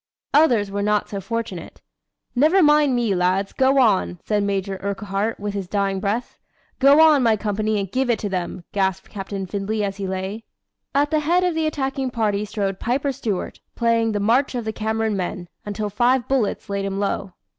Others were not so fortunate. "Never mind me, lads, go on," said Major Urquhart with his dying breath. "Go on, my company, and give it to them," gasped Captain Findlay as he fell. At the head of the attacking party strode Piper Stewart, playing "The March of the Cameron Men," until five bullets laid him low.